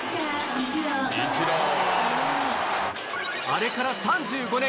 あれから３５年